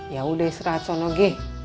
yaudah serahkan aja